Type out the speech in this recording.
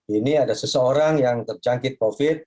ini ada seseorang yang terjangkit covid